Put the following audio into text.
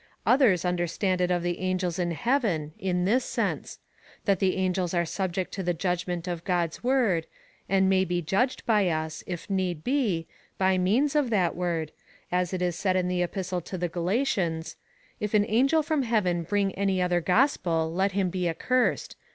Others understand it of the angels in heaven, in this sense — that the angels are subject to the judgment of God's word, and may be judged by us, if need be, by means of that word, as it is said in the Epistle to the Gala tians — If an angel from heaven bring any other gospel, let him he accursed.